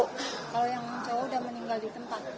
kalau yang cowok udah meninggal di tempat